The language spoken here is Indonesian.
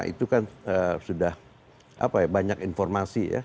itu kan sudah banyak informasi ya